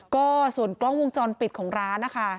ก็ส่วนกล้องวงจรปิดของร้านนะคะ